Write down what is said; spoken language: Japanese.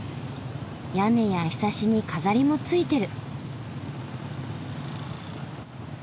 屋根やひさしに飾りもついてる。